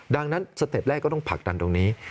ดังนั้นสเต็ปแรกก็ต้องผลักดันตรงนี้